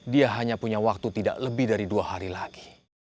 dia hanya punya waktu tidak lebih dari dua hari lagi